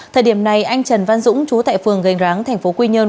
thời điểm này anh trần văn dũng chú tại phường gành ráng tp quy nhơn